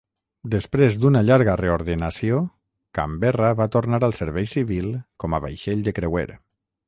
Després d'una llarga reordenació, "Canberra" va tornar al servei civil com a vaixell de creuer.